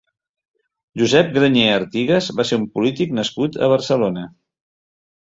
Josep Grañé Artigas va ser un polític nascut a Barcelona.